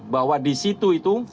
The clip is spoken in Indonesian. bahwa di situ itu